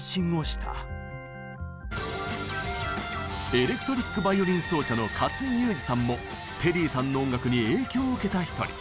エレクトリック・バイオリン奏者の勝井祐二さんもテリーさんの音楽に影響を受けた一人。